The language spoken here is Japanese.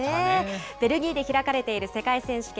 ベルギーで開かれている世界選手権。